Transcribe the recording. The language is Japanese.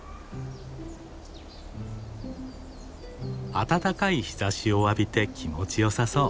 暖かい日ざしを浴びて気持ちよさそう。